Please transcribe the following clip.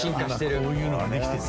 「今こういうのができてる」